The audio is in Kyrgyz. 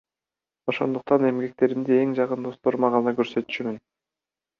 Ошондуктан эмгектеримди эң жакын досторума гана көрсөтчүмүн.